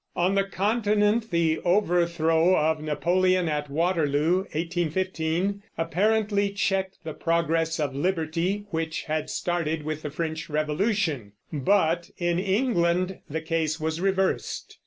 On the Continent the overthrow of Napoleon at Waterloo (1815) apparently checked the progress of liberty, which had started with the French Revolution, but in England the case was reversed.